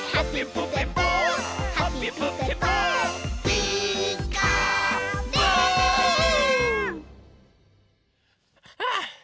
「ピーカーブ！」はあ。